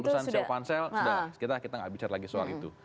urusan sel pansel sudah kita tidak bicara lagi soal itu